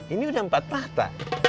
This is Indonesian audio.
ini udah empat mata